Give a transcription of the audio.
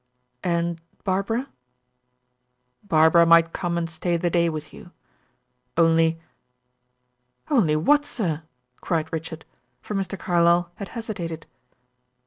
"And Barbara?" "Barbara might come and stay the day with you. Only " "Only what, sir?" cried Richard, for Mr. Carlyle had hesitated.